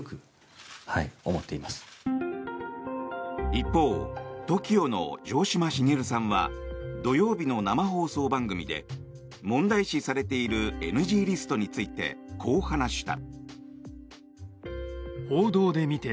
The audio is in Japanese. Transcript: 一方ＴＯＫＩＯの城島茂さんは土曜日の生放送番組で問題視されているＮＧリストについてこう話した。